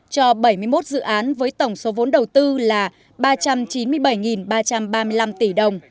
cho bảy mươi một dự án với tổng số vốn đầu tư là ba trăm chín mươi bảy ba trăm ba mươi năm tỷ đồng